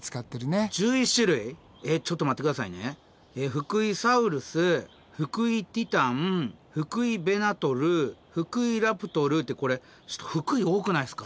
フクイサウルスフクイティタンフクイベナートルフクイラプトルってこれ「フクイ」多くないですか？